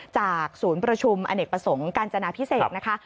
จากศูนย์ประชุมอเนกประสงค์กาญจนาพิเศษนะคะ